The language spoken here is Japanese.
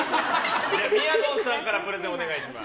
みやぞんさんからプレゼンお願いします。